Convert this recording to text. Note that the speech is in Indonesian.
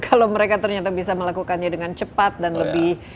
kalau mereka ternyata bisa melakukannya dengan cepat dan lebih